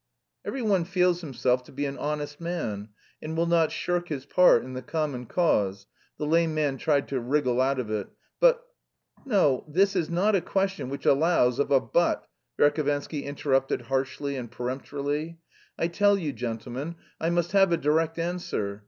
"Every one feels himself to be an honest man and will not shirk his part in the common cause" the lame man tried to wriggle out of it "but..." "No, this is not a question which allows of a but," Verhovensky interrupted harshly and peremptorily. "I tell you, gentlemen, I must have a direct answer.